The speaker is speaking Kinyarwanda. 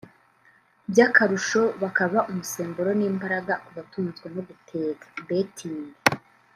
by’akarusho bakaba umusemburo n’imbaraga ku batunzwe no gutega [betting]